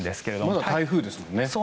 まだ台風ですもんね。